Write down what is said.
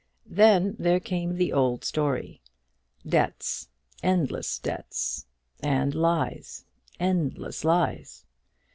Then there came the old story debts, endless debts; and lies, endless lies.